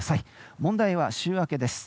問題は週明けです。